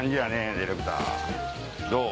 ディレクターどう？